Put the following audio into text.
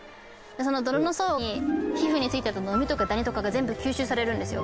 その泥の層に皮膚についたノミとかダニとかが全部吸収されるんですよ。